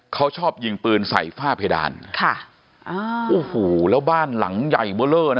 เขาชอบยิงปืนใส่ฝ้าเพดานค่ะอ่าโอ้โหแล้วบ้านหลังใหญ่เบอร์เลอร์นะ